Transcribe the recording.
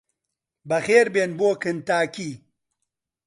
بەخێربێن بۆ کنتاکی!